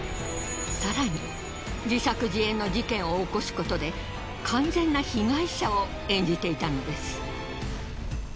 更に自作自演の事件を起こすことで完全な被害者を演じていたのです。